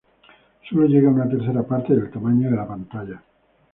Sólo llega a una tercera parte del tamaño de la pantalla.